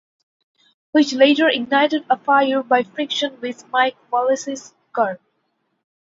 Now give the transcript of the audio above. Which later ignited a fire by friction with Mike Wallace's car.